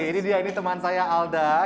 ini dia ini teman saya alda